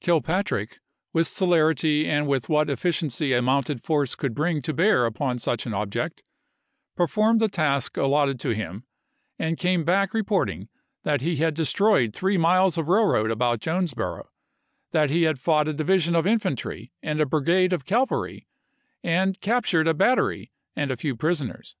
Kilpatrick, with celer ity and with what efficiency a mounted force could bring to bear upon such an object, per formed the task allotted to him, and came back reporting that he had destroyed three miles of railroad about Jonesboro; that he had fought a division of infantry and a brigade of cavalry, had captured a battery and a few prisoners.